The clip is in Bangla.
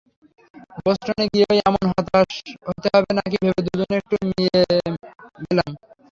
বোস্টনে গিয়েও এমন হতাশ হতে হবে নাকি ভেবে দুজনেই একটু মিইয়ে গেলাম।